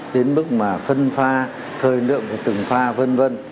đến mức mà phân pha thời lượng của từng pha vân vân